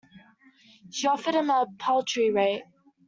She offered him a paltry rate.